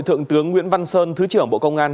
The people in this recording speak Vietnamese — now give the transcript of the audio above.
thượng tướng nguyễn văn sơn thứ trưởng bộ công an